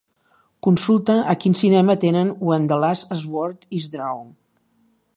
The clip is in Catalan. Consulta a quin cinema tenen When the Last Sword is Drawn.